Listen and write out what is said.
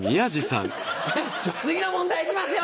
次の問題行きますよ！